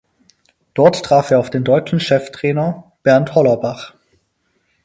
Dort traf er auf den deutschen Cheftrainer Bernd Hollerbach.